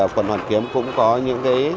quần hoàn kiếm cũng có những